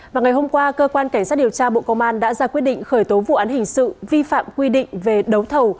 và ngày hôm qua cơ quan cảnh sát điều tra bộ công an đã ra quyết định khởi tố vụ án hình sự vi phạm quy định về đấu thầu